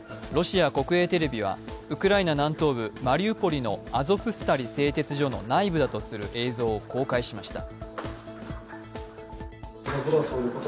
ロシア国営テレビは、ウクライナ南東部マリウポリのアゾフスタリ製鉄所の内部だとする映像を公開しました。